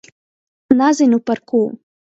Nazynu parkū.